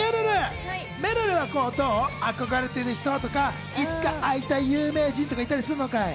ちなみにめるる、憧れている人とか、いつか会いたい有名人っていたりするのかい？